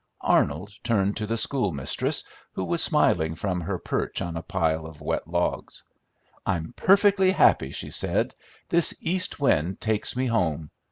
Arnold turned to the schoolmistress, who was smiling from her perch on a pile of wet logs. "I'm perfectly happy!" she said. "This east wind takes me home.